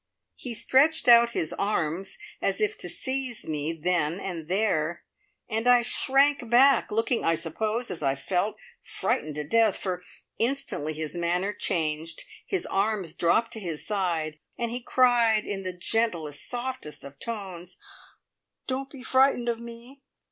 He stretched out his arms as if to seize me then and there, and I shrank back, looking, I suppose, as I felt, frightened to death, for instantly his manner changed, his arms dropped to his side, and he cried in the gentlest, softest of tones: "Don't be frightened of me!